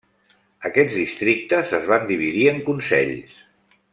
Aquests districtes es van dividir en consells.